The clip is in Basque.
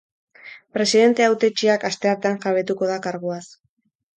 Presidente hautetsiak asteartean jabetuko da karguaz.